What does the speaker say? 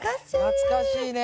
懐かしいね。